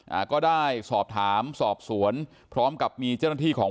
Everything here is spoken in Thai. อ่าก็ได้สอบถามสอบสวนพร้อมกับมีเจ้าหน้าที่ของ